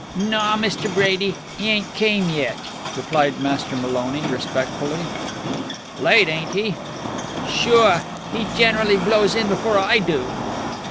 "Naw, Mr. Brady. He ain't came yet," replied Master Maloney respectfully. "Late, ain't he?" "Sure! He generally blows in before I do."